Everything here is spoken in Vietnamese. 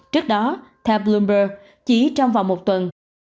trước đó theo bloomberg chỉ trong vòng một tuần